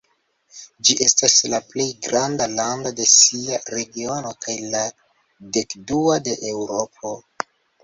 Ĝi estas la plej granda lando de sia regiono kaj la dekdua de Eŭropo.